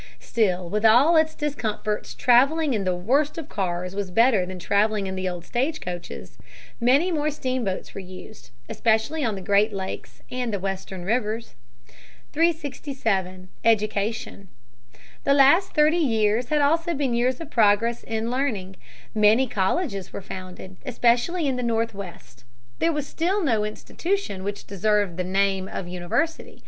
Still, with all its discomforts, traveling in the worst of cars was better than traveling in the old stagecoaches. Many more steamboats were used, especially on the Great Lakes and the Western rivers. [Illustration: HORACE GREELEY] [Sidenote: Schools.] [Sidenote: Newspapers.] [Sidenote: Horace Greeley.] 367. Education. The last thirty years had also been years of progress in learning. Many colleges were founded, especially in the Northwest. There was still no institution which deserved the name of university.